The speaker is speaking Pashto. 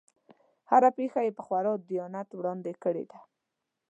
هره پېښه یې په خورا دیانت وړاندې کړې ده.